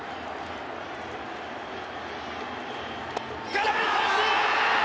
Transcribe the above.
空振り三振！